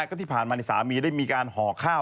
ก็ที่ผ่านมาสามีได้มีการห่อข้าว